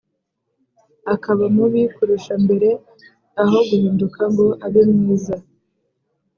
akaba mubi kurusha mbere aho guhinduka ngo abe mwiza.